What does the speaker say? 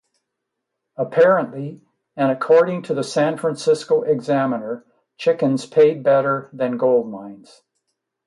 Apparently, and according to The San Francisco Examiner, chickens paid better than gold mines.